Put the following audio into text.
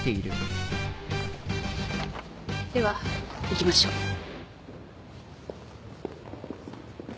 では行きましょう。